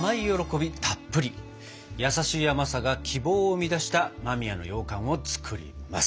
優しい甘さが希望を生み出した間宮のようかんを作ります！